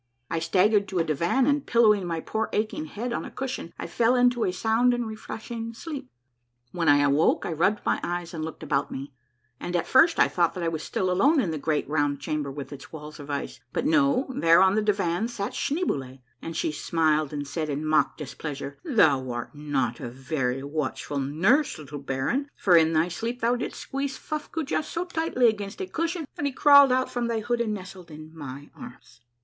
I stag gered to a divan, and pillowing my poor aching head on a cushion, I fell into a sound and refreshing sleep. When I awoke, I rubbed my eyes and looked about me, and at first I thought that I was still alone in the great round chamber with its walls of ice ; but no, there on the divan sat Schneeboule, and she smiled and said in mock displeasure, —" Thou art not a very watchful nurse, little baron, for in thy sleep thou didst squeeze Fuffcoojah so tightly against a cushion, that he crawled out from thy hood and nestled in my arms."